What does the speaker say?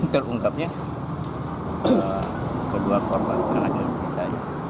terungkapnya kedua korban karena gelap kisahnya